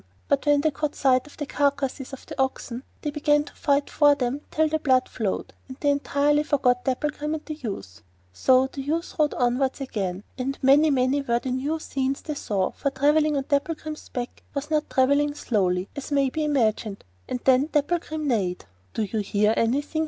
But when they caught sight of the carcasses of the oxen they began to fight for them till the blood flowed, and they entirely forgot Dapplegrim and the youth. So the youth rode onwards again, and many and many were the new scenes they saw, for travelling on Dapplegrim's back was not travelling slowly, as may be imagined, and then Dapplegrim neighed. 'Do you hear anything?